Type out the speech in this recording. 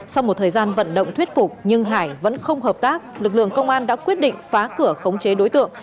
sau một thời gian vận động thuyết phục nhưng hải vẫn không hợp tác lực lượng công an đã quyết định phá cửa khống chế đối tượng